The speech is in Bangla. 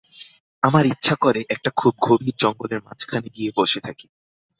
আমার ইচ্ছা করে, একটা খুব গভীর জঙ্গলের মাঝখানে গিয়ে বসে থাকি।